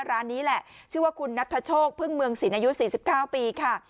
ร้านนี้แหละชื่อว่าคุณนัทโชคพึ่งเมืองสินอายุ๔๙ปีค่ะ